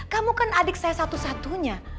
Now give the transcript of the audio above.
kamu kan adik saya satu satunya